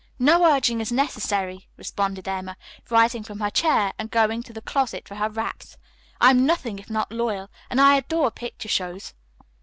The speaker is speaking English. "No urging is necessary," responded Emma, rising from her chair and going to the closet for her wraps. "I am nothing if not loyal, and I adore picture shows."